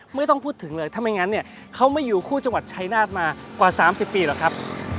ไม่ต้องพูดถึงเลยถ้าไม่งั้นเนี่ยเขาไม่อยู่คู่จังหวัดชายนาฏมากว่า๓๐ปีหรอกครับ